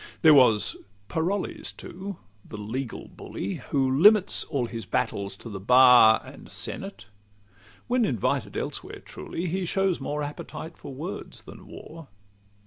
LXXXIV There was Parolles, too, the legal bully, Who limits all his battles to the bar And senate: when invited elsewhere, truly, He shows more appetite for words than war.